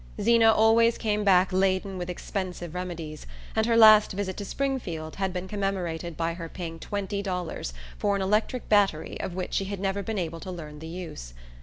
Zeena always came back laden with expensive remedies, and her last visit to Springfield had been commemorated by her paying twenty dollars for an electric battery of which she had never been able to learn the use.